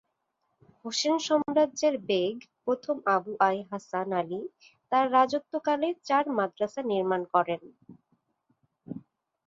হোসেন সাম্রাজ্যের বেগ প্রথম আবু আই-হাসান আলী তার রাজত্বকালে চার মাদ্রাসা নির্মাণ করেন।